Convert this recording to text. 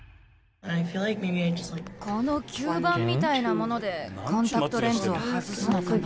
この吸盤みたいなものでコンタクトレンズを外すのかな？